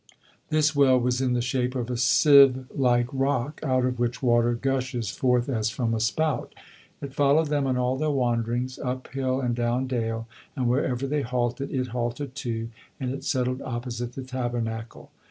This well was in the shape of a sieve like rock, out of which water gushes forth as from a spout. It followed them on all their wanderings, up hill and down dale, and wherever they halted, it halted, too, and it settled opposite the Tabernacle.